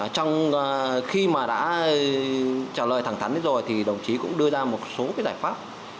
trong khi mà đã trả lời thẳng thắn rồi thì đồng chí cũng đưa ra một số cái giải pháp